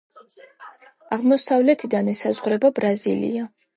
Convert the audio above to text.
აღმოსავლეთიდან ესაზღვრება ბრაზილია.